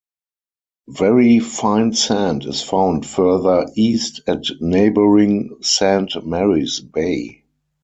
Very fine sand is found further east at neighbouring Saint Mary's Bay.